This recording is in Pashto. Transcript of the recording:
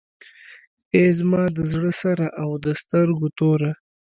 ای زما د زړه سره او د سترګو توره.